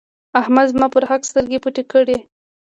احمد زما پر حق سترګې پټې کړې.